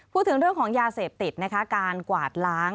พูดถึงเรื่องของยาเสพติดนะคะการกวาดล้าง